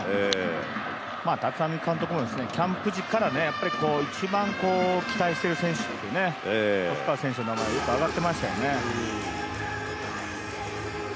立浪監督もキャンプ時から一番期待している選手と、細川選手の名前よく挙がっていましたよね。